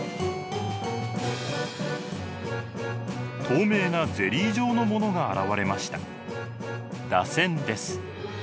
透明なゼリー状のものが現れました。